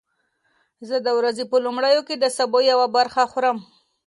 زه د ورځې په لومړیو کې د سبو یوه برخه خورم.